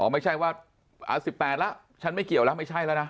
ไม่ใช่ว่า๑๘แล้วฉันไม่เกี่ยวแล้วไม่ใช่แล้วนะ